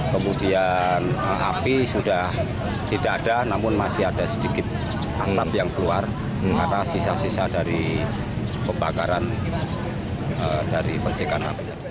kemudian api sudah tidak ada namun masih ada sedikit asap yang keluar karena sisa sisa dari pembakaran dari percikan api